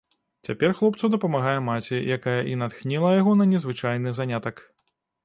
Цяпер хлопцу дапамагае маці, якая і натхніла яго на незвычайны занятак.